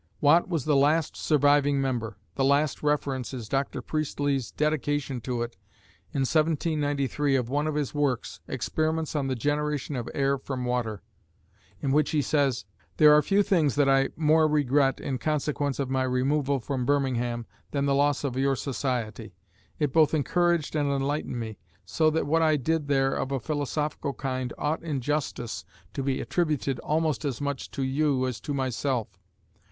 Watt was the last surviving member. The last reference is Dr. Priestley's dedication to it, in 1793, of one of his works "Experiments on the Generation of Air from Water," in which he says: There are few things that I more regret, in consequence of my removal from Birmingham, than the loss of your society. It both encouraged and enlightened me; so that what I did there of a philosophical kind ought in justice to be attributed almost as much to you as to myself.